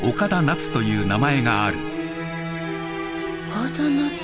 岡田奈津？